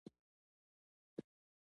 د ده مزنګ او کندهار د محبس خاطرات وې.